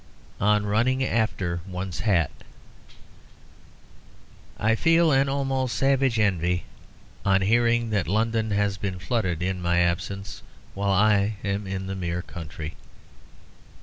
ON RUNNING AFTER ONE'S HAT I feel an almost savage envy on hearing that London has been flooded in my absence, while I am in the mere country.